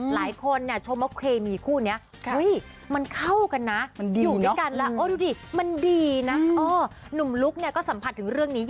หลายคนเนี่ยชมว่าเคมีคู่เนี่ย